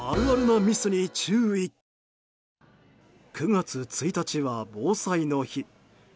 ９月１日は防災の日。